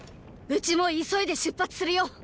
うちも急いで出発するよっ！